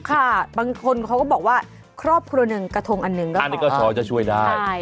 ค่ะบางคนเขาก็บอกว่าครอบครัวหนึ่งกระทงอันหนึ่งก็อันนี้ก็พอจะช่วยได้